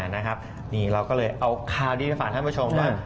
นี่เราก็เลยเอาข่าวนี้ไปฝากท่านผู้ชมว่า